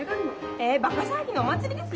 えバカ騒ぎのお祭りですよ